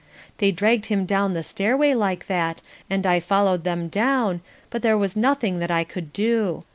They dragged him down the stairway like that and I followed them down, but there was nothing that I could do.